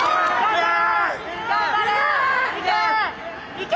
いけ！